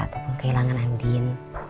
ataupun kehilangan andin